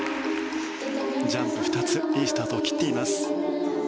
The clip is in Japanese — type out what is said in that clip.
ジャンプ２ついいスタートを切っています。